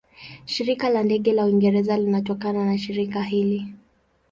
Shirika la Ndege la Uingereza linatokana na shirika hili.